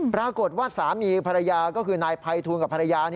ปรากฏว่าสามีภรรยาก็คือนายภัยทูลกับภรรยา